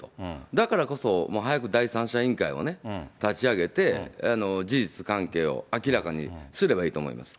だからこそ、もう早く第三者委員会を立ち上げて、事実関係を明らかにすればいいと思います。